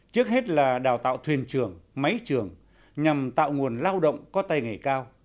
trước hết là đào tạo thuyền trường máy trường nhằm tạo nguồn lao động có tay nghề cao